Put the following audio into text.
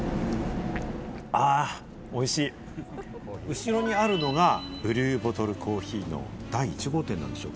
後ろにあるのが、ブルーボトルコーヒーの第１号店なんでしょうか。